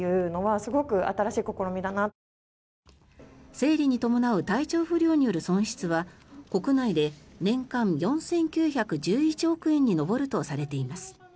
生理に伴う体調不良による損失は国内で年間４９１１億円に上るとされています。